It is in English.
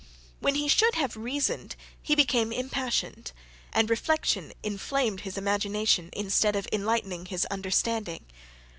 When he should have reasoned he became impassioned, and reflection inflamed his imagination, instead of enlightening his understanding.